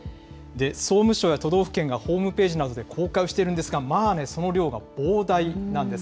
総務省や都道府県がホームページなどで公開しているんですが、まあ、その量が膨大なんです。